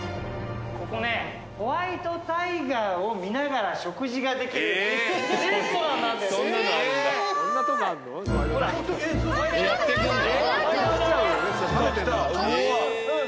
ここね、ホワイトタイガーを見ながら食事ができるレストランなんです。